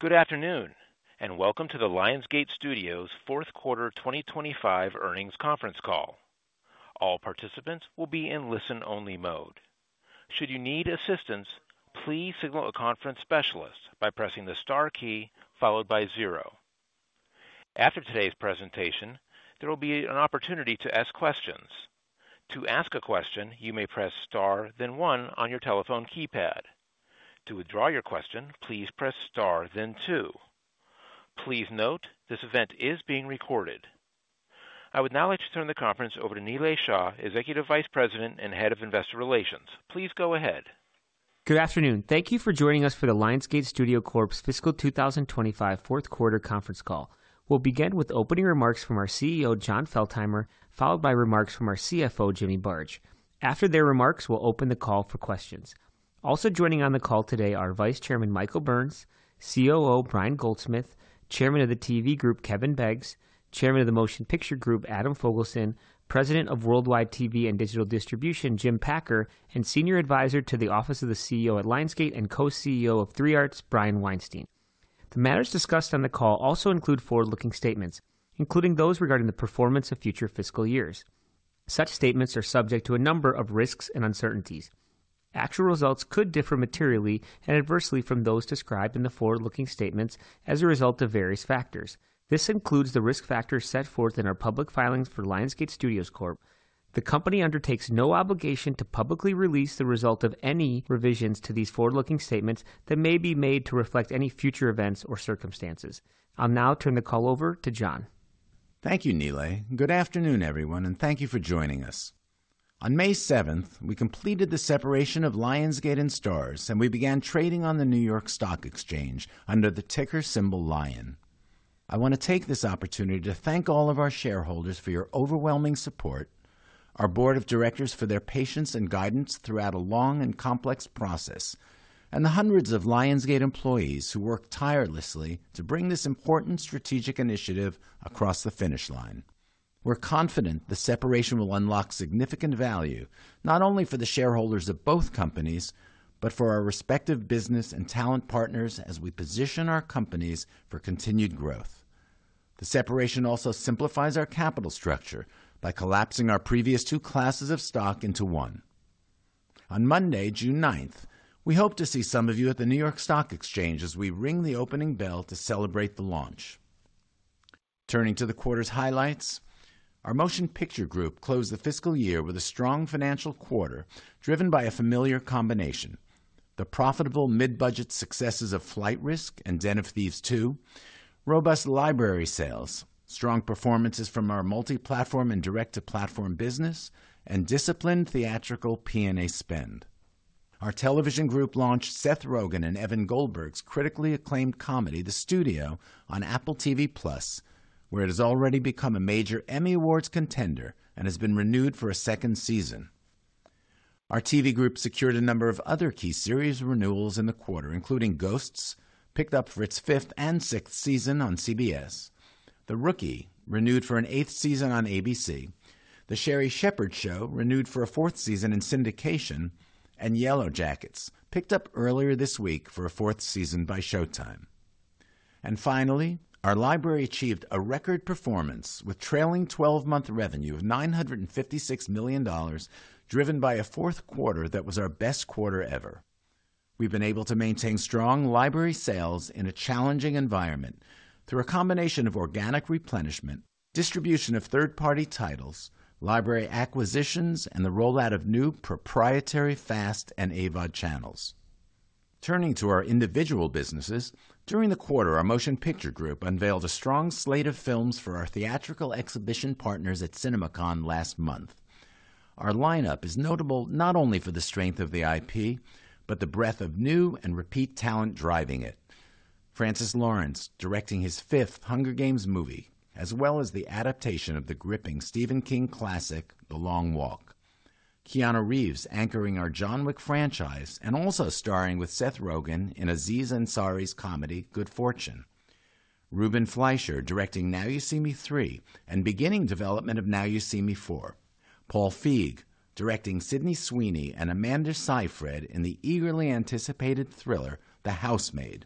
Good afternoon, and welcome to the Lionsgate Studios Fourth Quarter 2025 earnings conference call. All participants will be in listen-only mode. Should you need assistance, please signal a conference specialist by pressing the star key followed by zero. After today's presentation, there will be an opportunity to ask questions. To ask a question, you may press star, then one on your telephone keypad. To withdraw your question, please press star, then two. Please note this event is being recorded. I would now like to turn the conference over to Nilay Shah, Executive Vice President and Head of Investor Relations. Please go ahead. Good afternoon. Thank you for joining us for the Lionsgate Studios Corp Fiscal 2025 Fourth Quarter conference call. We'll begin with opening remarks from our CEO, Jon Feltheimer, followed by remarks from our CFO, Jimmy Barge. After their remarks, we'll open the call for questions. Also joining on the call today are Vice Chairman Michael Burns, COO Brian Goldsmith, Chairman of the TV Group Kevin Beggs, Chairman of the Motion Picture Group Adam Fogelson, President of Worldwide TV and Digital Distribution Jim Packer, and Senior Advisor to the Office of the CEO at Lionsgate and Co-CEO of 3 Arts, Brian Weinstein. The matters discussed on the call also include forward-looking statements, including those regarding the performance of future fiscal years. Such statements are subject to a number of risks and uncertainties. Actual results could differ materially and adversely from those described in the forward-looking statements as a result of various factors. This includes the risk factors set forth in our public filings for Lionsgate Studios Corp. The company undertakes no obligation to publicly release the result of any revisions to these forward-looking statements that may be made to reflect any future events or circumstances. I'll now turn the call over to Jon. Thank you, Nilay. Good afternoon, everyone, and thank you for joining us. On May 7th, we completed the separation of Lionsgate and Starz, and we began trading on the New York Stock Exchange under the ticker symbol LION. I want to take this opportunity to thank all of our shareholders for your overwhelming support, our board of directors for their patience and guidance throughout a long and complex process, and the hundreds of Lionsgate employees who worked tirelessly to bring this important strategic initiative across the finish line. We're confident the separation will unlock significant value not only for the shareholders of both companies but for our respective business and talent partners as we position our companies for continued growth. The separation also simplifies our capital structure by collapsing our previous two classes of stock into one. On Monday, June 9th, we hope to see some of you at the New York Stock Exchange as we ring the opening bell to celebrate the launch. Turning to the quarter's highlights, our Motion Picture Group closed the fiscal year with a strong financial quarter driven by a familiar combination: the profitable mid-budget successes of Flight Risk and Den of Thieves 2, robust library sales, strong performances from our multi-platform and direct-to-platform business, and disciplined theatrical P&A spend. Our television group launched Seth Rogen and Evan Goldberg's critically acclaimed comedy, The Studio, on Apple TV+, where it has already become a major Emmy Awards contender and has been renewed for a second season. Our TV group secured a number of other key series renewals in the quarter, including Ghosts, picked up for its fifth and sixth season on CBS, The Rookie, renewed for an eighth season on ABC, The Sherri Shepherd Show, renewed for a fourth season in syndication, and Yellowjackets, picked up earlier this week for a fourth season by Showtime. Finally, our library achieved a record performance with trailing 12-month revenue of $956 million, driven by a fourth quarter that was our best quarter ever. We've been able to maintain strong library sales in a challenging environment through a combination of organic replenishment, distribution of third-party titles, library acquisitions, and the rollout of new proprietary FAST and AVOD channels. Turning to our individual businesses, during the quarter, our Motion Picture Group unveiled a strong slate of films for our theatrical exhibition partners at CinemaCon last month. Our lineup is notable not only for the strength of the IP but the breadth of new and repeat talent driving it: Francis Lawrence directing his fifth Hunger Games movie, as well as the adaptation of the gripping Stephen King classic, The Long Walk. Keanu Reeves anchoring our John Wick franchise and also starring with Seth Rogen in Aziz Ansari's comedy, Good Fortune. Reuben Fleischer directing Now You See Me 3 and beginning development of Now You See Me 4. Paul Feig directing Sidney Sweeney and Amanda Seyfried in the eagerly anticipated thriller, The Housemaid.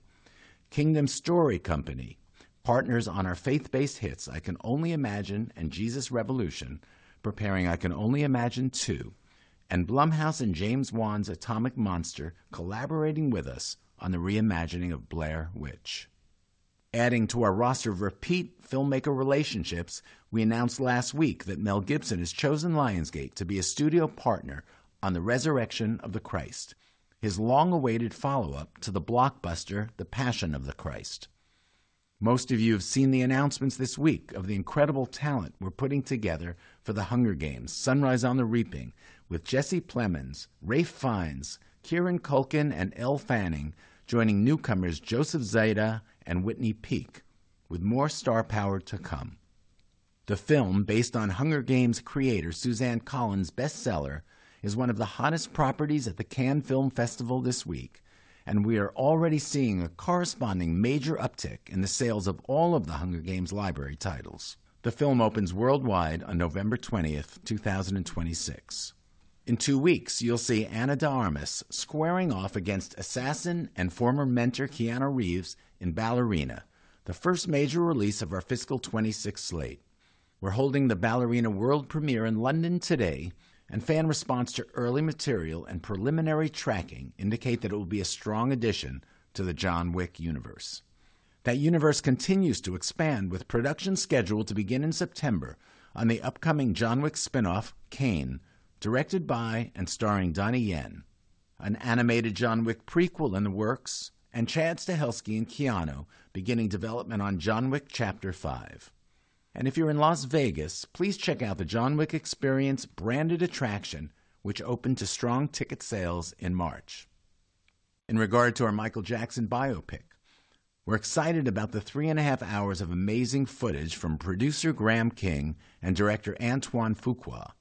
Kingdom Story Company partners on our faith-based hits, I Can Only Imagine and Jesus Revolution, preparing I Can Only Imagine 2. Blumhouse and James Wan's Atomic Monster collaborating with us on the reimagining of Blair Witch. Adding to our roster of repeat filmmaker relationships, we announced last week that Mel Gibson has chosen Lionsgate to be a studio partner on The Resurrection of the Christ, his long-awaited follow-up to the blockbuster The Passion of the Christ. Most of you have seen the announcements this week of the incredible talent we're putting together for The Hunger Games: Sunrise on the Reaping with Jesse Plemons, Ralph Fiennes, Kieran Culkin, and Elle Fanning joining newcomers Joseph Zada and Whitney Peak. With more star power to come, the film based on Hunger Games creator Suzanne Collins' bestseller is one of the hottest properties at the Cannes Film Festival this week, and we are already seeing a corresponding major uptick in the sales of all of the Hunger Games library titles. The film opens worldwide on November 20th, 2026. In two weeks, you'll see Anna de Armas squaring off against assassin and former mentor Keanu Reeves in Ballerina, the first major release of our Fiscal 2026 slate. We're holding the Ballerina world premiere in London today, and fan response to early material and preliminary tracking indicate that it will be a strong addition to the John Wick universe. That universe continues to expand with production scheduled to begin in September on the upcoming John Wick spinoff, Caine, directed by and starring Donnie Yen, an animated John Wick prequel in the works, and Chad Stahelski and Keanu beginning development on John Wick: Chapter 5. If you're in Las Vegas, please check out the John Wick Experience branded attraction, which opened to strong ticket sales in March. In regard to our Michael Jackson biopic, we're excited about the three and a half hours of amazing footage from producer Graham King and director Antoine Fuqua,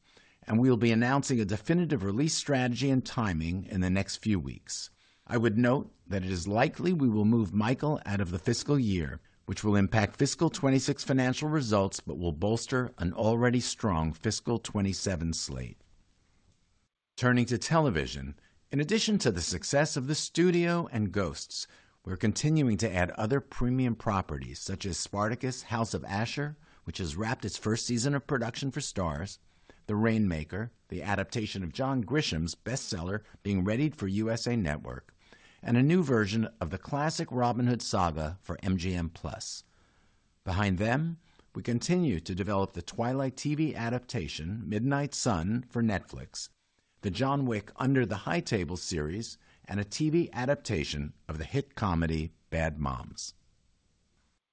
and we'll be announcing a definitive release strategy and timing in the next few weeks. I would note that it is likely we will move Michael out of the fiscal year, which will impact Fiscal 2026 financial results but will bolster an already strong Fiscal 2027 slate. Turning to television, in addition to the success of The Studio and Ghosts, we're continuing to add other premium properties such as Spartacus: House of Asher, which has wrapped its first season of production for Starz, The Rainmaker, the adaptation of John Grisham's bestseller being readied for USA Network, and a new version of the classic Robin Hood saga for MGM+. Behind them, we continue to develop the Twilight TV adaptation Midnight Sun for Netflix, the John Wick: Under the High Table series, and a TV adaptation of the hit comedy Bad Moms.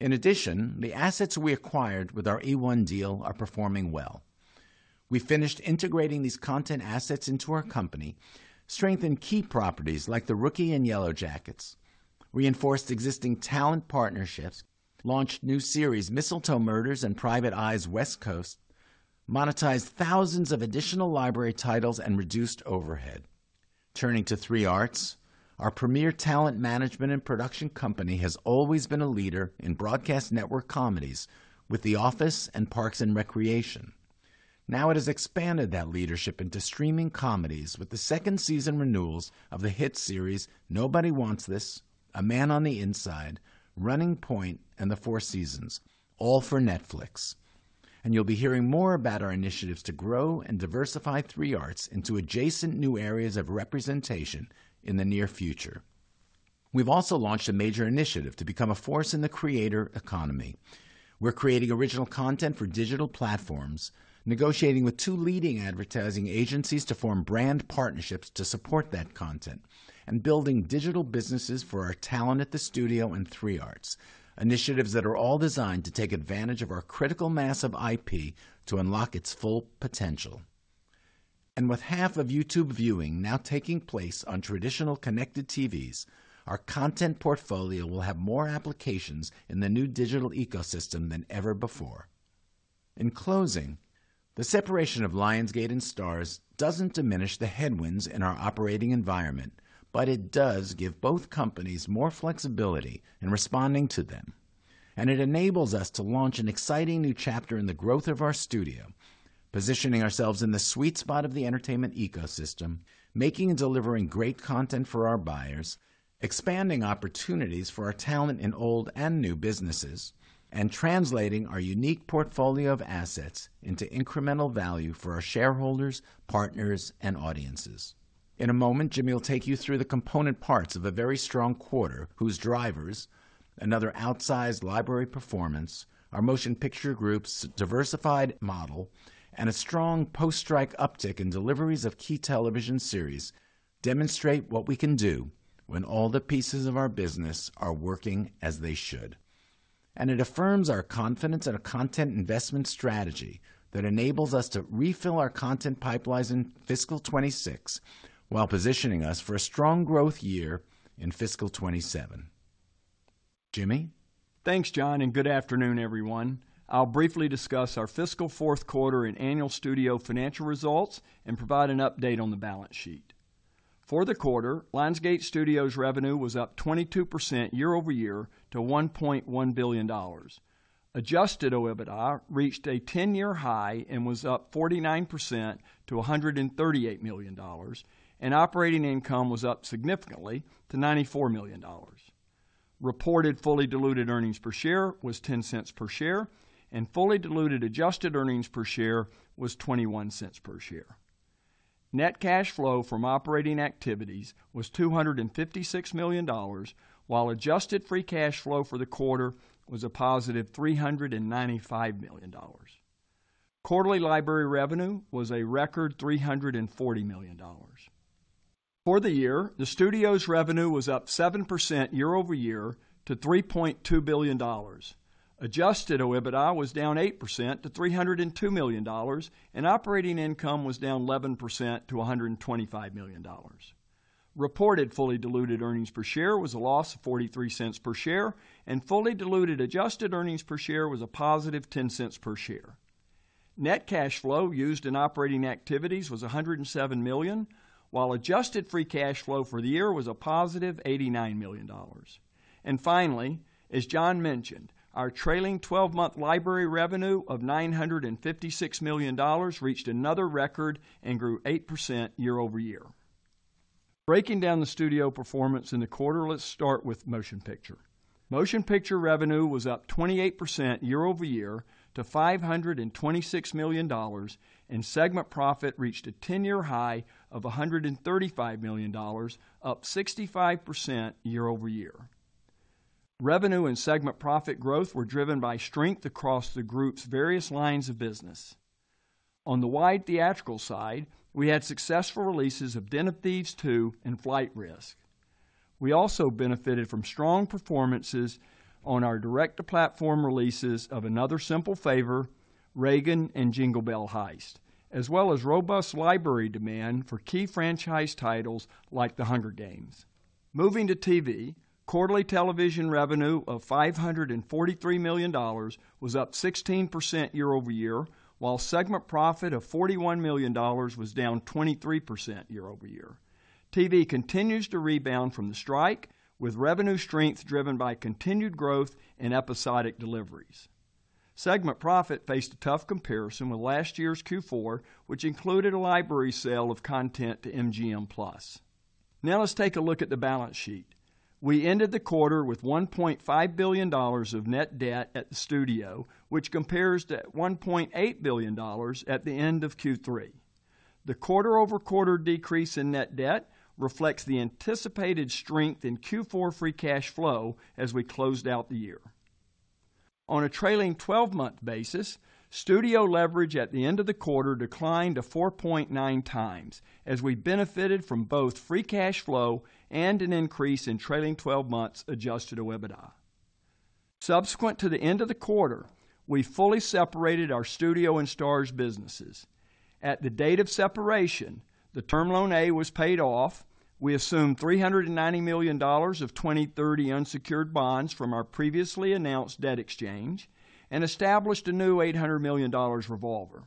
In addition, the assets we acquired with our E1 deal are performing well. We finished integrating these content assets into our company, strengthened key properties like The Rookie and Yellowjackets, reinforced existing talent partnerships, launched new series Mistletoe Murders and Private Eyes West Coast, monetized thousands of additional library titles, and reduced overhead. Turning to 3 Arts, our premier talent management and production company has always been a leader in broadcast network comedies with The Office and Parks and Recreation. Now it has expanded that leadership into streaming comedies with the second season renewals of the hit series Nobody Wants This, A Man on the Inside, Running Point, and The Four Seasons, all for Netflix. You will be hearing more about our initiatives to grow and diversify 3 Arts into adjacent new areas of representation in the near future. We have also launched a major initiative to become a force in the creator economy. We are creating original content for digital platforms, negotiating with two leading advertising agencies to form brand partnerships to support that content, and building digital businesses for our talent at The Studio and 3 Arts, initiatives that are all designed to take advantage of our critical mass of IP to unlock its full potential. With half of YouTube viewing now taking place on traditional connected TVs, our content portfolio will have more applications in the new digital ecosystem than ever before. In closing, the separation of Lionsgate and Starz does not diminish the headwinds in our operating environment, but it does give both companies more flexibility in responding to them. It enables us to launch an exciting new chapter in the growth of our studio, positioning ourselves in the sweet spot of the entertainment ecosystem, making and delivering great content for our buyers, expanding opportunities for our talent in old and new businesses, and translating our unique portfolio of assets into incremental value for our shareholders, partners, and audiences. In a moment, Jimmy will take you through the component parts of a very strong quarter whose drivers are another outsized library performance, our Motion Picture Group's diversified model, and a strong post-strike uptick in deliveries of key television series demonstrate what we can do when all the pieces of our business are working as they should. It affirms our confidence in our content investment strategy that enables us to refill our content pipelines in Fiscal 2026 while positioning us for a strong growth year in Fiscal 2027. Jimmy? Thanks, Jon, and good afternoon, everyone. I'll briefly discuss our Fiscal Fourth Quarter and annual studio financial results and provide an update on the balance sheet. For the quarter, Lionsgate Studios revenue was up 22% year-over-year to $1.1 billion. Adjusted EBITDA reached a 10-year high and was up 49% to $138 million, and operating income was up significantly to $94 million. Reported fully diluted earnings per share was $0.10 per share, and fully diluted adjusted earnings per share was $0.21 per share. Net cash flow from operating activities was $256 million, while adjusted free cash flow for the quarter was a positive $395 million. Quarterly library revenue was a record $340 million. For the year, the studio's revenue was up 7% year-over-year to $3.2 billion. Adjusted EBITDA was down 8% to $302 million, and operating income was down 11% to $125 million. Reported fully diluted earnings per share was a loss of $0.43 per share, and fully diluted adjusted earnings per share was a +$0.10 per share. Net cash flow used in operating activities was $107 million, while adjusted free cash flow for the year was a +$89 million. As John mentioned, our trailing 12-month library revenue of $956 million reached another record and grew 8% year-over-year. Breaking down the studio performance in the quarter, let's start with Motion Picture. Motion Picture revenue was up 28% year over year to $526 million, and segment profit reached a 10-year high of $135 million, up 65% year-over-year. Revenue and segment profit growth were driven by strength across the group's various lines of business. On the wide theatrical side, we had successful releases of Den of Thieves 2 and Flight Risk. We also benefited from strong performances on our direct-to-platform releases of Another Simple Favor, Reagan, and Jingle Bell Heist, as well as robust library demand for key franchise titles like The Hunger Games. Moving to TV, quarterly television revenue of $543 million was up 16% year-over-year, while segment profit of $41 million was down 23% year-over-year. TV continues to rebound from the strike, with revenue strength driven by continued growth and episodic deliveries. Segment profit faced a tough comparison with last year's Q4, which included a library sale of content to MGM+. Now let's take a look at the balance sheet. We ended the quarter with $1.5 billion of net debt at The Studio, which compares to $1.8 billion at the end of Q3. The quarter-over-quarter decrease in net debt reflects the anticipated strength in Q4 free cash flow as we closed out the year. On a trailing 12-month basis, studio leverage at the end of the quarter declined to 4.9x as we benefited from both free cash flow and an increase in trailing 12 months adjusted EBITDA. Subsequent to the end of the quarter, we fully separated our studio and Starz businesses. At the date of separation, the term loan A was paid off, we assumed $390 million of 2030 unsecured bonds from our previously announced debt exchange, and established a new $800 million revolver.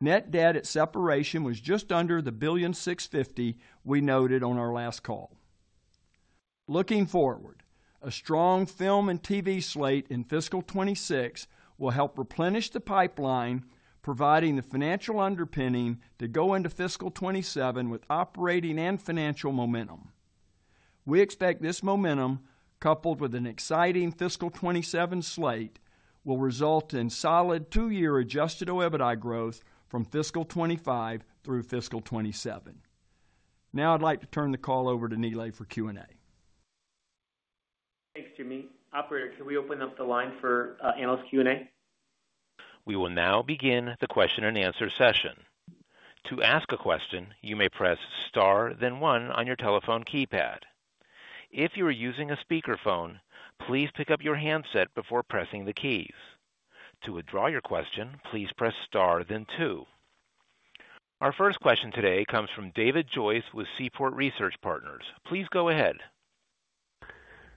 Net debt at separation was just under the $1.65 billion we noted on our last call. Looking forward, a strong film and TV slate in Fiscal 2026 will help replenish the pipeline, providing the financial underpinning to go into Fiscal 2027 with operating and financial momentum. We expect this momentum, coupled with an exciting fiscal 2027 slate, will result in solid two-year adjusted EBITDA growth from fiscal 2025 through fiscal 2027. Now I'd like to turn the call over to Nilay for Q&A. Thanks, Jimmy. Operator, can we open up the line for analyst Q&A? We will now begin the question and answer session. To ask a question, you may press Star, then One on your telephone keypad. If you are using a speakerphone, please pick up your handset before pressing the keys. To withdraw your question, please press Star, then Two. Our first question today comes from David Joyce with Seaport Research Partners. Please go ahead.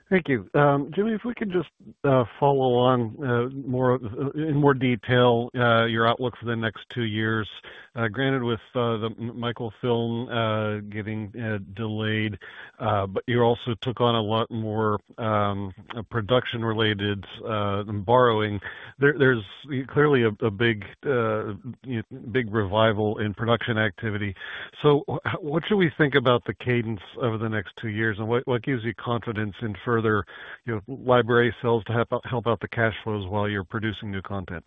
Thank you. Jimmy, if we can just follow on in more detail your outlook for the next two years, granted with the Michael film getting delayed, but you also took on a lot more production-related borrowing. There is clearly a big revival in production activity. What should we think about the cadence over the next two years and what gives you confidence in further library sales to help out the cash flows while you are producing new content?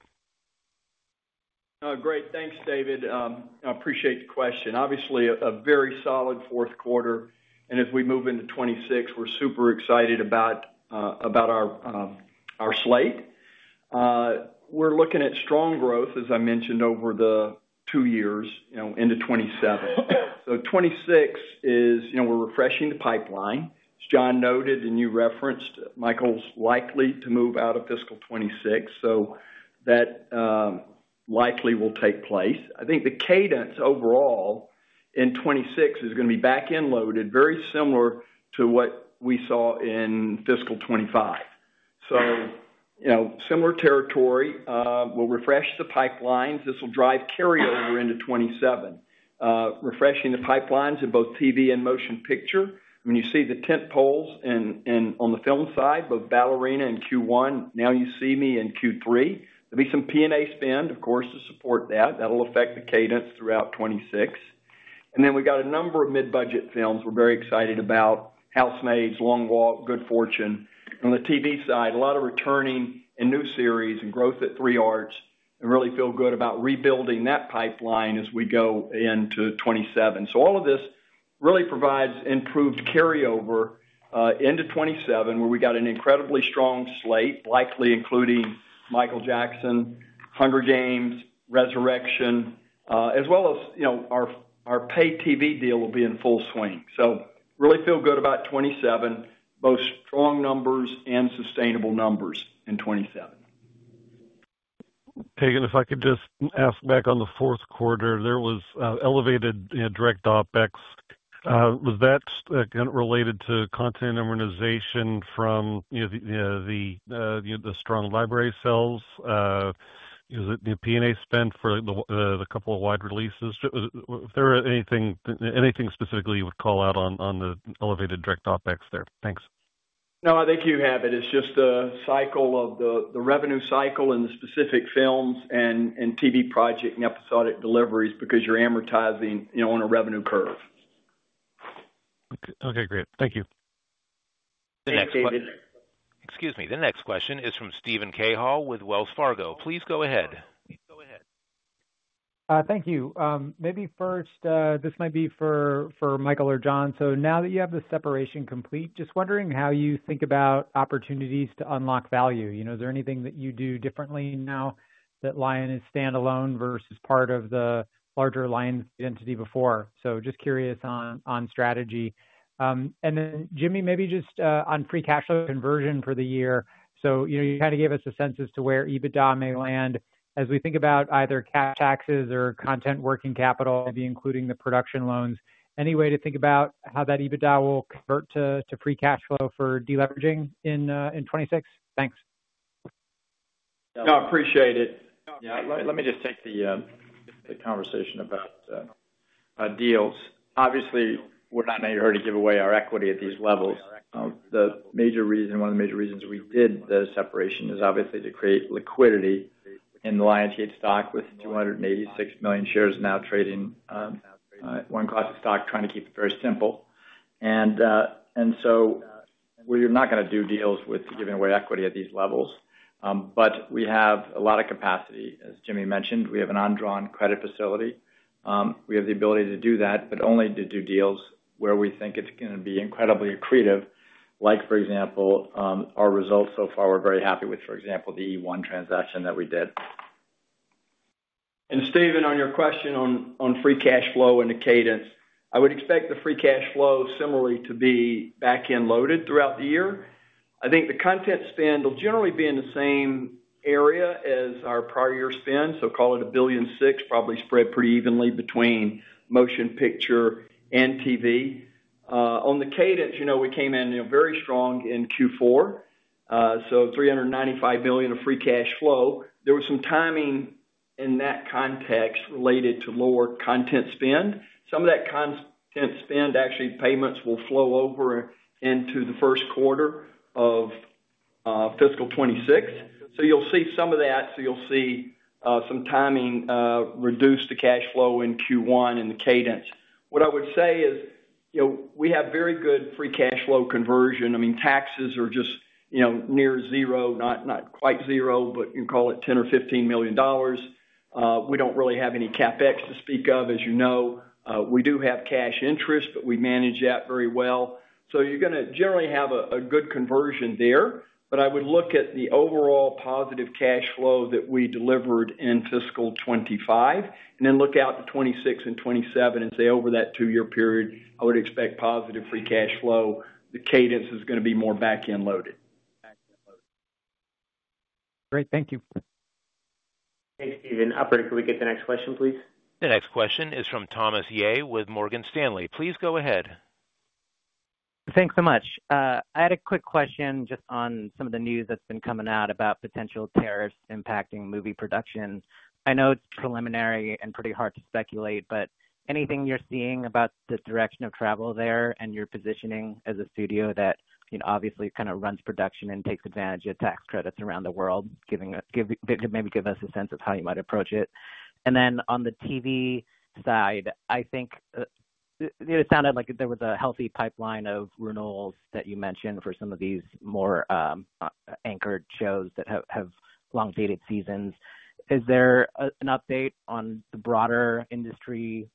Great. Thanks, David. I appreciate the question. Obviously, a very solid fourth quarter. As we move into 2026, we're super excited about our slate. We're looking at strong growth, as I mentioned, over the two years into 2027. 2026 is we're refreshing the pipeline. As Jon noted, and you referenced, Michael's likely to move out of fiscal 2026, so that likely will take place. I think the cadence overall in 2026 is going to be back end loaded, very similar to what we saw in fiscal 2025. Similar territory. We'll refresh the pipelines. This will drive carryover into 2027, refreshing the pipelines in both TV and Motion Picture. When you see the tent poles on the film side, both Ballerina in Q1, Now You See Me in Q3. There'll be some P&A spend, of course, to support that. That'll affect the cadence throughout 2026. We've got a number of mid-budget films we're very excited about: The Housemaid, The Long Walk, Good Fortune. On the TV side, a lot of returning and new series and growth at 3 Arts, and really feel good about rebuilding that pipeline as we go into 2027. All of this really provides improved carryover into 2027, where we've got an incredibly strong slate, likely including Michael Jackson, The Hunger Games, Resurrection, as well as our pay TV deal will be in full swing. Really feel good about 2027, both strong numbers and sustainable numbers in 2027. Pagan, if I could just ask back on the fourth quarter, there was elevated direct OpEx. Was that related to content organization from the strong library sales? Was it P&A spend for the couple of wide releases? If there were anything specifically you would call out on the elevated direct OpEx there. Thanks. No, I think you have it. It's just a cycle of the revenue cycle and the specific films and TV project and episodic deliveries because you're amortizing on a revenue curve. Okay, great. Thank you. Excuse me. The next question is from Steven Cahall with Wells Fargo. Please go ahead. Thank you. Maybe first, this might be for Michael or Jon. Now that you have the separation complete, just wondering how you think about opportunities to unlock value. Is there anything that you do differently now that Lionsgate is standalone versus part of the larger Lionsgate entity before? Just curious on strategy. Jimmy, maybe just on free cash flow conversion for the year. You kind of gave us a sense as to where EBITDA may land as we think about either cash taxes or content working capital, maybe including the production loans. Any way to think about how that EBITDA will convert to free cash flow for deleveraging in 2026? Thanks. No, I appreciate it. Yeah, let me just take the conversation about deals. Obviously, we're not in any hurry to give away our equity at these levels. The major reason, one of the major reasons we did the separation is obviously to create liquidity in the Lionsgate stock with 286 million shares now trading at one cost of stock, trying to keep it very simple. We are not going to do deals with giving away equity at these levels. We have a lot of capacity. As Jimmy mentioned, we have an undrawn credit facility. We have the ability to do that, but only to do deals where we think it's going to be incredibly accretive. For example, our results so far, we're very happy with, for example, the E1 transaction that we did. Steven, on your question on free cash flow and the cadence, I would expect the free cash flow similarly to be back-end loaded throughout the year. I think the content spend will generally be in the same area as our prior year spend. Call it $1.6 billion, probably spread pretty evenly between Motion Picture and TV. On the cadence, we came in very strong in Q4, $395 million of free cash flow. There was some timing in that context related to lower content spend. Some of that content spend, actually, payments will flow over into the first quarter of Fiscal 2026. You will see some of that. You will see some timing reduce the cash flow in Q1 and the cadence. What I would say is we have very good free cash flow conversion. I mean, taxes are just near zero, not quite zero, but you can call it $10 million or $15 million. We do not really have any CapEx to speak of, as you know. We do have cash interest, but we manage that very well. You are going to generally have a good conversion there. I would look at the overall positive cash flow that we delivered in Fiscal 2025 and then look out to 2026 and 2027 and say, over that two-year period, I would expect positive free cash flow. The cadence is going to be more back-end loaded. Great. Thank you. Thanks, Steven. Operator, can we get the next question, please? The next question is from Thomas Yeh with Morgan Stanley. Please go ahead. Thanks so much. I had a quick question just on some of the news that's been coming out about potential tariffs impacting movie production. I know it's preliminary and pretty hard to speculate, but anything you're seeing about the direction of travel there and your positioning as a studio that obviously kind of runs production and takes advantage of tax credits around the world, maybe give us a sense of how you might approach it. On the TV side, I think it sounded like there was a healthy pipeline of renewals that you mentioned for some of these more anchored shows that have long-dated seasons. Is there an update on the broader industry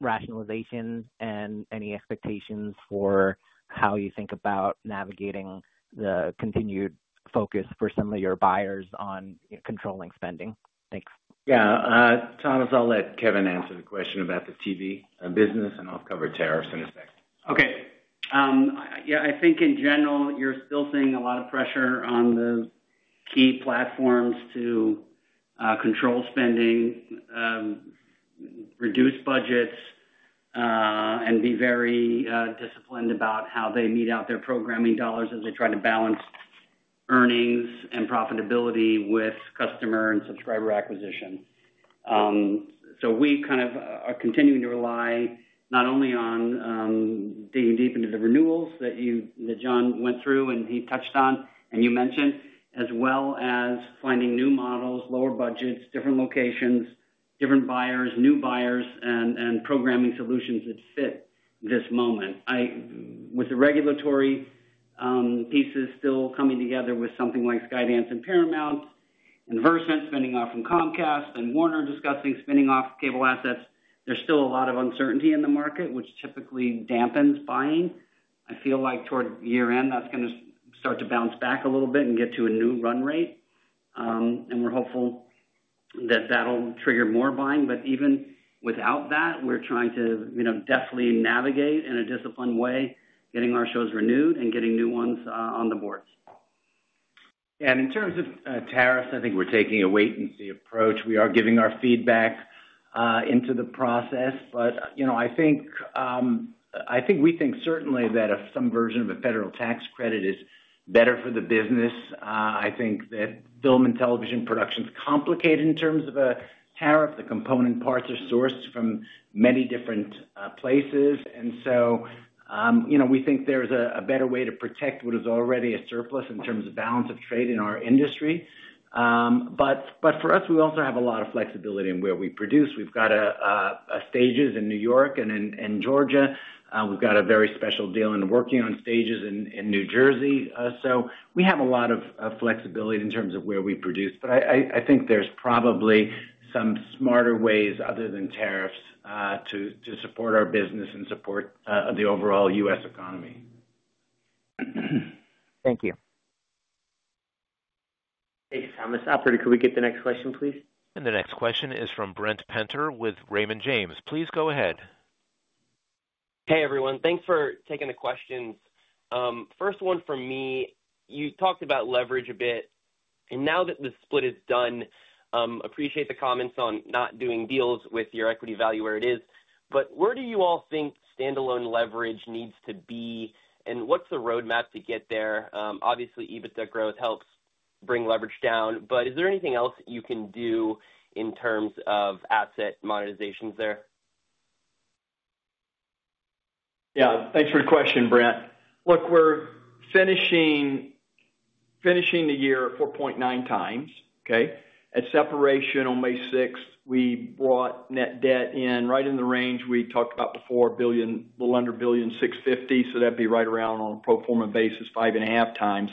rationalization and any expectations for how you think about navigating the continued focus for some of your buyers on controlling spending? Thanks. Yeah. Thomas, I'll let Kevin answer the question about the TV business, and I'll cover tariffs in a sec. Okay. Yeah, I think in general, you're still seeing a lot of pressure on the key platforms to control spending, reduce budgets, and be very disciplined about how they mete out their programming dollars as they try to balance earnings and profitability with customer and subscriber acquisition. So we kind of are continuing to rely not only on digging deep into the renewals that John went through and he touched on and you mentioned, as well as finding new models, lower budgets, different locations, different buyers, new buyers, and programming solutions that fit this moment. With the regulatory pieces still coming together with something like Skydance and Paramount and Versant spinning off from Comcast and Warner discussing spinning off cable assets, there's still a lot of uncertainty in the market, which typically dampens buying. I feel like toward year-end, that's going to start to bounce back a little bit and get to a new run rate. We're hopeful that that'll trigger more buying. Even without that, we're trying to definitely navigate in a disciplined way, getting our shows renewed and getting new ones on the boards. Yeah. In terms of tariffs, I think we're taking a wait-and-see approach. We are giving our feedback into the process. I think we think certainly that if some version of a federal tax credit is better for the business, I think that film and television production is complicated in terms of a tariff. The component parts are sourced from many different places. We think there's a better way to protect what is already a surplus in terms of balance of trade in our industry. For us, we also have a lot of flexibility in where we produce. We've got stages in New York and in Georgia. We've got a very special deal in working on stages in New Jersey. We have a lot of flexibility in terms of where we produce. I think there's probably some smarter ways other than tariffs to support our business and support the overall U.S. economy. Thank you. Thanks, Thomas. Operator, can we get the next question, please? The next question is from Brent Penter with Raymond James. Please go ahead. Hey, everyone. Thanks for taking the questions. First one for me. You talked about leverage a bit. Now that the split is done, I appreciate the comments on not doing deals with your equity value where it is. Where do you all think standalone leverage needs to be, and what's the roadmap to get there? Obviously, EBITDA growth helps bring leverage down. Is there anything else you can do in terms of asset monetizations there? Yeah. Thanks for the question, Brent. Look, we're finishing the year at 4.9x. Okay? At separation on May 6, we brought net debt in right in the range we talked about before, a little under $1.65 billion. So that'd be right around, on a pro forma basis, 5.5x.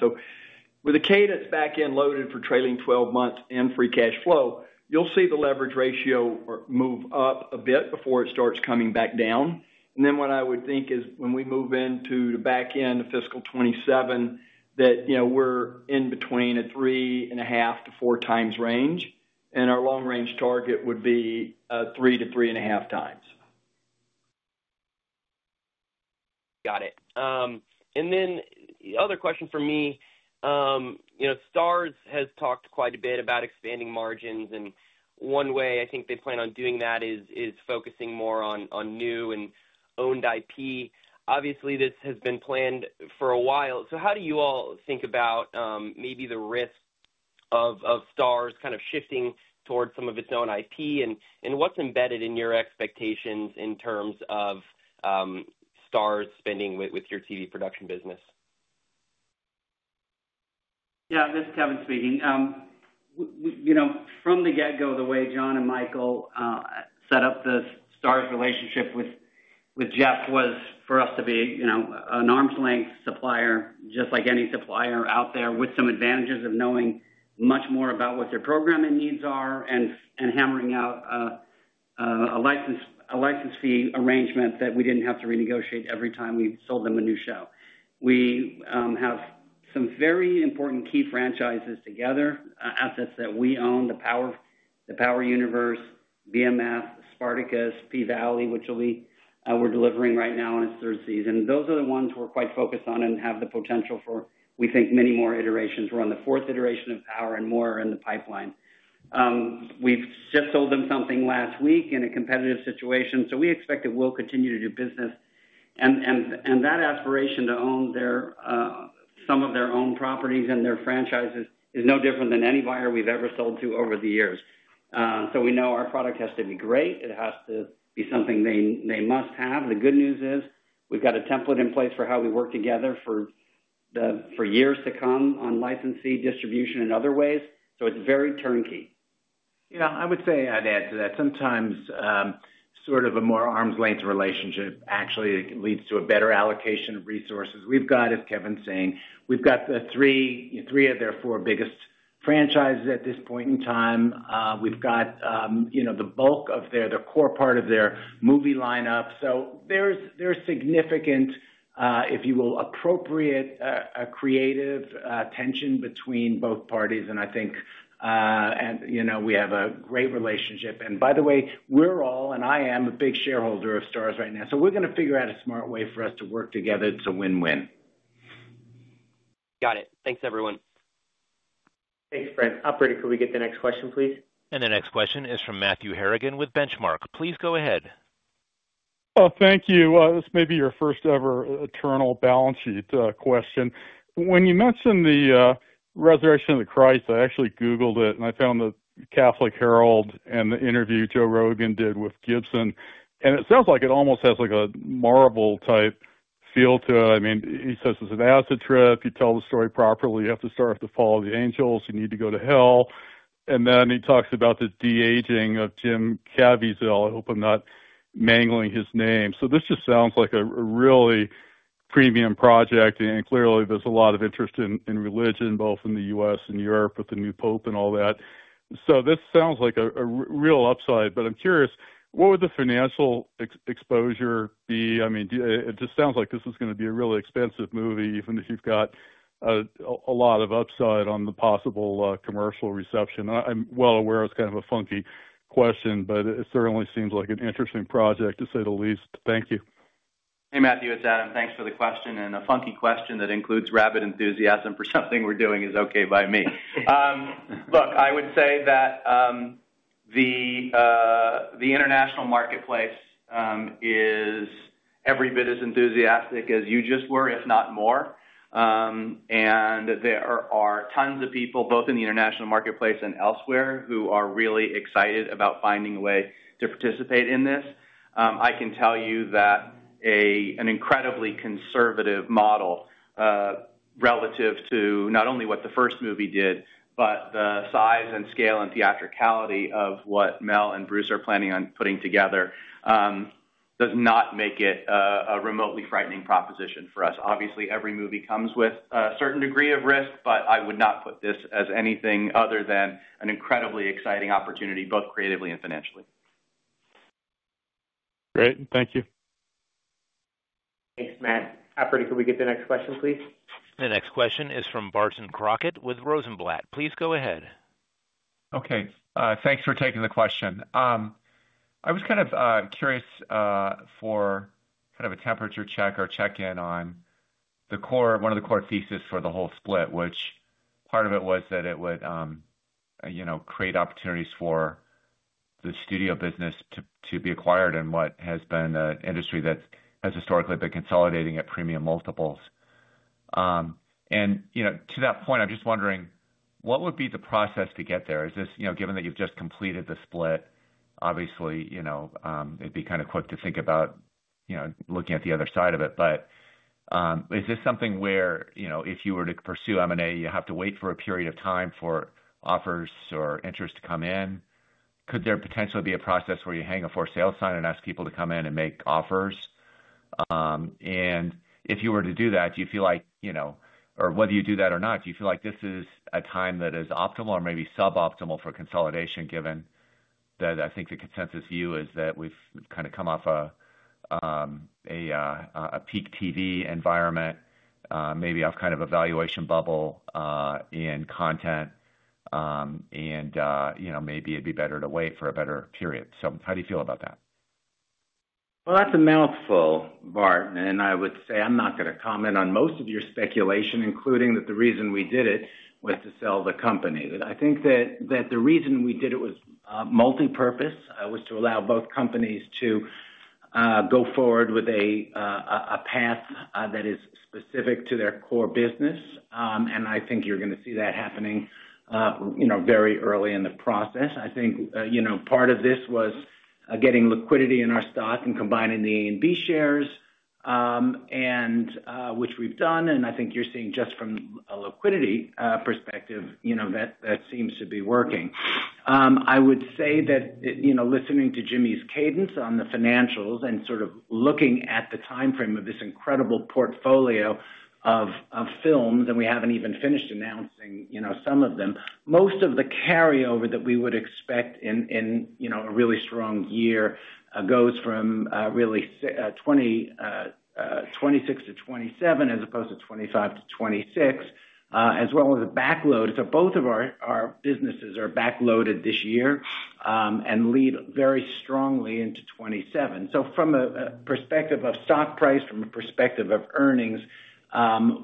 With the cadence back in loaded for trailing 12 months and free cash flow, you'll see the leverage ratio move up a bit before it starts coming back down. What I would think is when we move into the back end of Fiscal 2027, that we're in between a 3.5-4 times range. Our long-range target would be 3-3.5 times. Got it. The other question for me, Starz has talked quite a bit about expanding margins. One way I think they plan on doing that is focusing more on new and owned IP. Obviously, this has been planned for a while. How do you all think about maybe the risk of Starz kind of shifting towards some of its own IP? What's embedded in your expectations in terms of Starz spending with your TV production business? Yeah. This is Kevin speaking. From the get-go, the way Jon and Michael set up the Starz relationship with Jeff was for us to be an arm's length supplier, just like any supplier out there, with some advantages of knowing much more about what their programming needs are and hammering out a license fee arrangement that we did not have to renegotiate every time we sold them a new show. We have some very important key franchises together, assets that we own: The Power, The Power Universe, BMF, Spartacus, P-Valley, which we are delivering right now in its third season. Those are the ones we are quite focused on and have the potential for, we think, many more iterations. We are on the fourth iteration of Power and more are in the pipeline. We have just sold them something last week in a competitive situation. We expect that we will continue to do business. That aspiration to own some of their own properties and their franchises is no different than any buyer we've ever sold to over the years. We know our product has to be great. It has to be something they must have. The good news is we've got a template in place for how we work together for years to come on license fee distribution and other ways. It is very turnkey. Yeah. I would say I'd add to that. Sometimes sort of a more arm's length relationship actually leads to a better allocation of resources. We've got, as Kevin's saying, we've got three of their four biggest franchises at this point in time. We've got the bulk of their core part of their movie lineup. There is significant, if you will, appropriate creative tension between both parties. I think we have a great relationship. By the way, we're all, and I am a big shareholder of Starz right now. We're going to figure out a smart way for us to work together to win-win. Got it. Thanks, everyone. Thanks, Brent. Operator, can we get the next question, please? The next question is from Matthew Harrigan with Benchmark. Please go ahead. Oh, thank you. This may be your first ever eternal balance sheet question. When you mentioned The Resurrection of the Christ, I actually googled it, and I found the Catholic Herald and the interview Joe Rogan did with Gibson. It sounds like it almost has a Marvel-type feel to it. I mean, he says it's an acid trip. You tell the story properly. You have to start at the fall of the angels. You need to go to hell. Then he talks about the de-aging of Jim Caviezel. I hope I'm not mangling his name. This just sounds like a really premium project. Clearly, there's a lot of interest in religion, both in the U.S. and Europe with the new Pope and all that. This sounds like a real upside. I'm curious, what would the financial exposure be? I mean, it just sounds like this is going to be a really expensive movie, even if you've got a lot of upside on the possible commercial reception. I'm well aware it's kind of a funky question, but it certainly seems like an interesting project, to say the least. Thank you. Hey, Matthew. It's Adam. Thanks for the question. A funky question that includes rabid enthusiasm for something we're doing is okay by me. Look, I would say that the international marketplace is every bit as enthusiastic as you just were, if not more. There are tons of people, both in the international marketplace and elsewhere, who are really excited about finding a way to participate in this. I can tell you that an incredibly conservative model relative to not only what the first movie did, but the size and scale and theatricality of what Mel and Bruce are planning on putting together does not make it a remotely frightening proposition for us. Obviously, every movie comes with a certain degree of risk, but I would not put this as anything other than an incredibly exciting opportunity, both creatively and financially. Great. Thank you. Thanks, Matt. Operator, can we get the next question, please? The next question is from Barton Crockett with Rosenblatt. Please go ahead. Okay. Thanks for taking the question. I was kind of curious for kind of a temperature check or check-in on one of the core theses for the whole split, which part of it was that it would create opportunities for the studio business to be acquired in what has been an industry that has historically been consolidating at premium multiples. To that point, I'm just wondering, what would be the process to get there? Given that you've just completed the split, obviously, it'd be kind of quick to think about looking at the other side of it. Is this something where if you were to pursue M&A, you have to wait for a period of time for offers or interest to come in? Could there potentially be a process where you hang a for-sale sign and ask people to come in and make offers? If you were to do that, do you feel like or whether you do that or not, do you feel like this is a time that is optimal or maybe suboptimal for consolidation, given that I think the consensus view is that we've kind of come off a peak TV environment, maybe of kind of a valuation bubble in content, and maybe it'd be better to wait for a better period? How do you feel about that? That is a mouthful, Barton. I would say I'm not going to comment on most of your speculation, including that the reason we did it was to sell the company. I think that the reason we did it was multipurpose. It was to allow both companies to go forward with a path that is specific to their core business. I think you're going to see that happening very early in the process. I think part of this was getting liquidity in our stock and combining the A&B shares, which we've done. I think you're seeing just from a liquidity perspective that that seems to be working. I would say that listening to Jimmy's cadence on the financials and sort of looking at the timeframe of this incredible portfolio of films, and we haven't even finished announcing some of them, most of the carryover that we would expect in a really strong year goes from really 2026-2027 as opposed to 2025-2026, as well as a backload. Both of our businesses are backloaded this year and lead very strongly into 2027. From a perspective of stock price, from a perspective of earnings,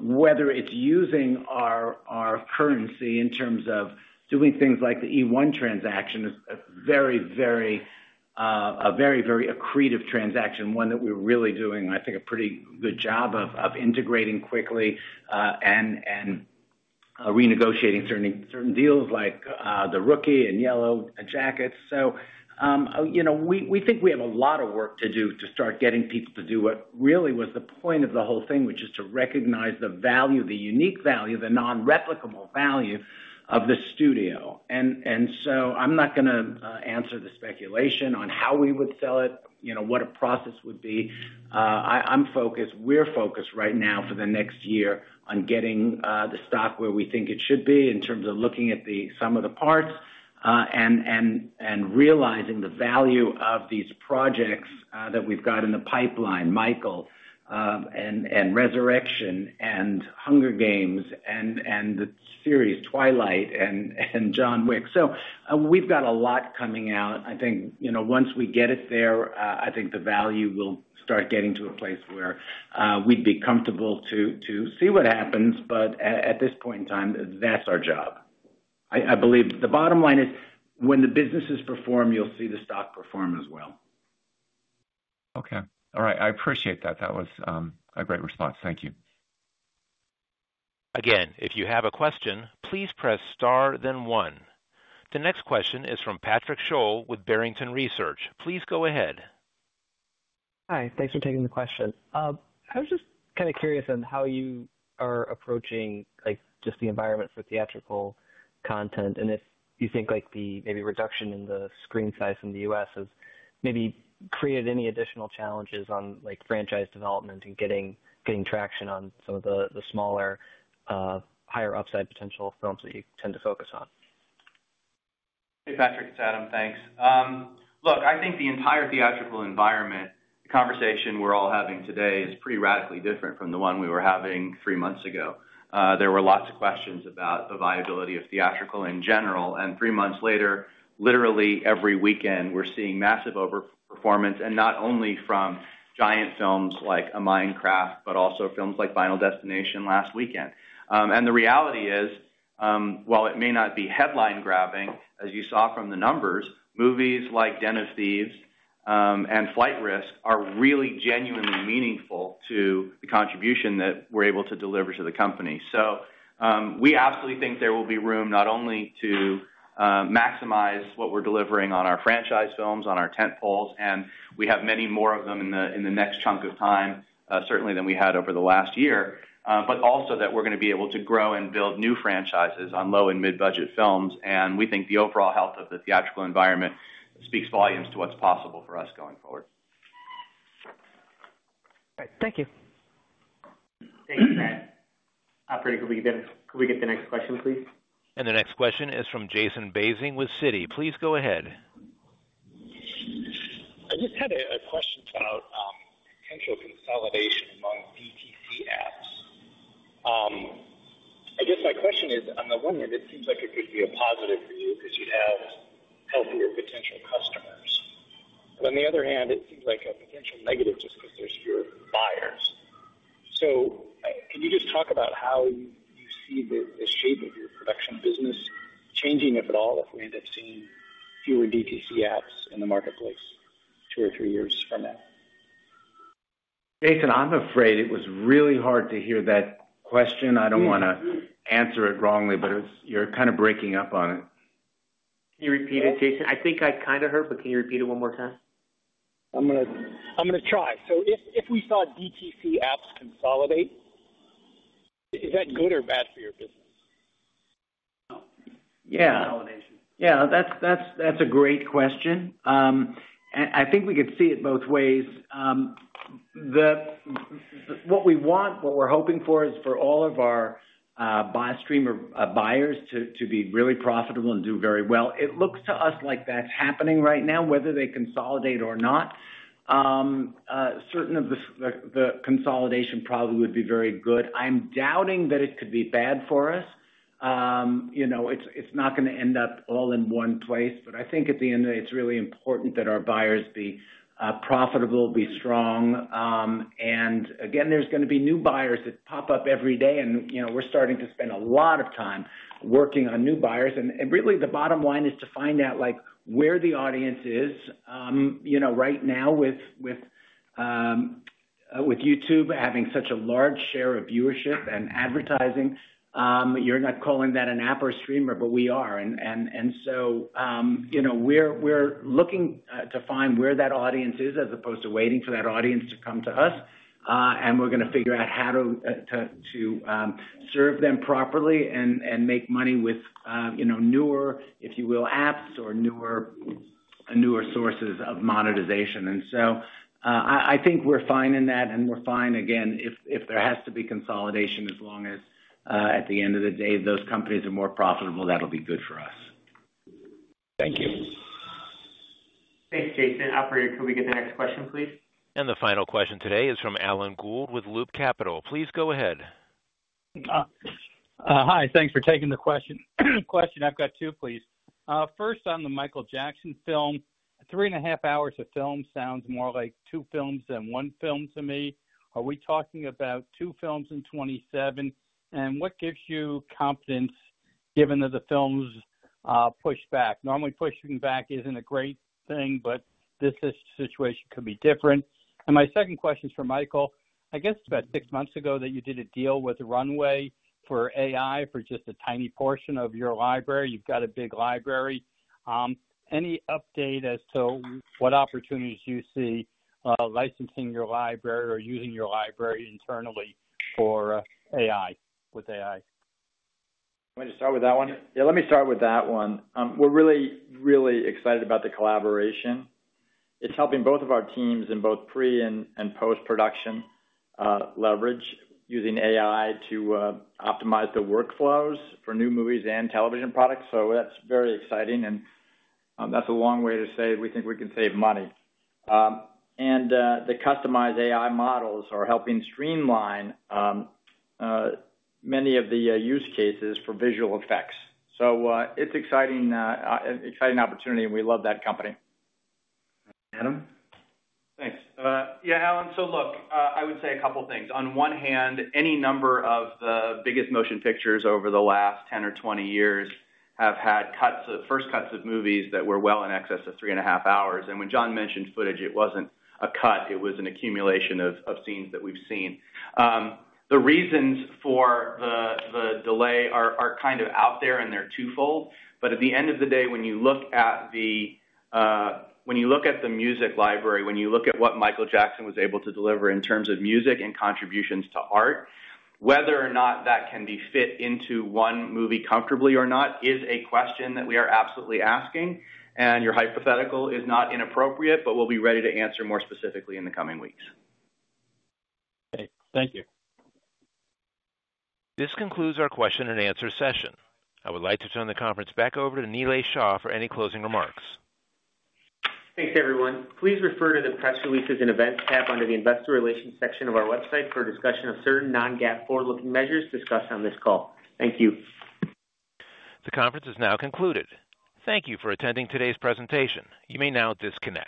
whether it's using our currency in terms of doing things like the E1 transaction is a very, very accretive transaction, one that we're really doing, I think, a pretty good job of integrating quickly and renegotiating certain deals like The Rookie and Yellowjackets. We think we have a lot of work to do to start getting people to do what really was the point of the whole thing, which is to recognize the value, the unique value, the non-replicable value of the studio. I'm not going to answer the speculation on how we would sell it, what a process would be. I'm focused. We're focused right now for the next year on getting the stock where we think it should be in terms of looking at some of the parts and realizing the value of these projects that we've got in the pipeline: Michael and Resurrection and Hunger Games and the series Twilight and John Wick. We've got a lot coming out. I think once we get it there, I think the value will start getting to a place where we'd be comfortable to see what happens. At this point in time, that's our job. I believe the bottom line is when the businesses perform, you'll see the stock perform as well. Okay. All right. I appreciate that. That was a great response. Thank you. Again, if you have a question, please press star, then one. The next question is from Patrick Sholl with Barrington Research. Please go ahead. Hi. Thanks for taking the question. I was just kind of curious on how you are approaching just the environment for theatrical content and if you think maybe reduction in the screen size in the U.S. has maybe created any additional challenges on franchise development and getting traction on some of the smaller, higher upside potential films that you tend to focus on. Hey, Patrick. It's Adam. Thanks. Look, I think the entire theatrical environment, the conversation we're all having today is pretty radically different from the one we were having three months ago. There were lots of questions about the viability of theatrical in general. Three months later, literally every weekend, we're seeing massive overperformance, and not only from giant films like Minecraft, but also films like Final Destination last weekend. The reality is, while it may not be headline-grabbing, as you saw from the numbers, movies like Den of Thieves and Flight Risk are really genuinely meaningful to the contribution that we're able to deliver to the company. We absolutely think there will be room not only to maximize what we're delivering on our franchise films, on our tentpoles, and we have many more of them in the next chunk of time, certainly than we had over the last year, but also that we're going to be able to grow and build new franchises on low and mid-budget films. We think the overall health of the theatrical environment speaks volumes to what's possible for us going forward. All right. Thank you. Thanks, Matt. Operator, can we get the next question, please? The next question is from Jason Bazinet with Citi. Please go ahead. I just had a question about potential consolidation among BTC apps. I guess my question is, on the one hand, it seems like it could be a positive for you because you'd have healthier potential customers. On the other hand, it seems like a potential negative just because there's fewer buyers. Can you just talk about how you see the shape of your production business changing, if at all, if we end up seeing fewer BTC apps in the marketplace two or three years from now? Jason, I'm afraid it was really hard to hear that question. I don't want to answer it wrongly, but you're kind of breaking up on it. Can you repeat it, Jason? I think I kind of heard, but can you repeat it one more time? I'm going to try. If we saw BTC apps consolidate, is that good or bad for your business? Yeah. Yeah. That's a great question. I think we could see it both ways. What we want, what we're hoping for is for all of our buyers to be really profitable and do very well. It looks to us like that's happening right now, whether they consolidate or not. Certain of the consolidation probably would be very good. I'm doubting that it could be bad for us. It's not going to end up all in one place. I think at the end of it, it's really important that our buyers be profitable, be strong. Again, there's going to be new buyers that pop up every day. We're starting to spend a lot of time working on new buyers. Really, the bottom line is to find out where the audience is. Right now, with YouTube having such a large share of viewership and advertising, you're not calling that an Apple streamer, but we are. We are looking to find where that audience is as opposed to waiting for that audience to come to us. We are going to figure out how to serve them properly and make money with newer, if you will, apps or newer sources of monetization. I think we're fine in that. We are fine, again, if there has to be consolidation, as long as at the end of the day, those companies are more profitable, that'll be good for us. Thank you. Thanks, Jason. Operator, can we get the next question, please? The final question today is from Alan Gould with Loop Capital. Please go ahead. Hi. Thanks for taking the question. I've got two, please. First, on the Michael Jackson film, three and a half hours of film sounds more like two films than one film to me. Are we talking about two films in 2027? What gives you confidence given that the film's pushed back? Normally, pushing back isn't a great thing, but this situation could be different. My second question is for Michael. I guess about six months ago you did a deal with Runway for AI for just a tiny portion of your library. You've got a big library. Any update as to what opportunities you see licensing your library or using your library internally for AI with AI? I'm going to start with that one. Yeah, let me start with that one. We're really, really excited about the collaboration. It's helping both of our teams in both pre and post-production leverage using AI to optimize the workflows for new movies and television products. That's very exciting. That's a long way to say we think we can save money. The customized AI models are helping streamline many of the use cases for visual effects. It's an exciting opportunity, and we love that company. Adam? Thanks. Yeah, Alan. I would say a couple of things. On one hand, any number of the biggest motion pictures over the last 10 or 20 years have had first cuts of movies that were well in excess of three and a half hours. When John mentioned footage, it was not a cut. It was an accumulation of scenes that we've seen. The reasons for the delay are kind of out there, and they are twofold. At the end of the day, when you look at the music library, when you look at what Michael Jackson was able to deliver in terms of music and contributions to art, whether or not that can be fit into one movie comfortably or not is a question that we are absolutely asking. Your hypothetical is not inappropriate, but we'll be ready to answer more specifically in the coming weeks. Okay. Thank you. This concludes our question and answer session. I would like to turn the conference back over to Nilay Shah for any closing remarks. Thanks, everyone. Please refer to the press releases and events tab under the investor relations section of our website for a discussion of certain non-GAAP forward-looking measures discussed on this call. Thank you. The conference is now concluded. Thank you for attending today's presentation. You may now disconnect.